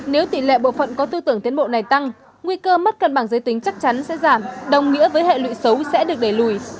nếu tỷ lệ bộ phận có tư tưởng tiến bộ này tăng nguy cơ mất cân bằng giới tính chắc chắn sẽ giảm đồng nghĩa với hệ lụy xấu sẽ được đẩy lùi